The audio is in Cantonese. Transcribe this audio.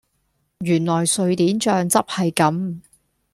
原來瑞典醬汁係咁